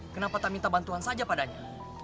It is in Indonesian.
kenapa tak minta bantuan saja padanya